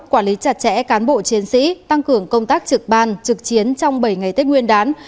quản lý chặt chẽ cán bộ chiến sĩ tăng cường công tác trực ban trực chiến trong bảy ngày tết nguyên đán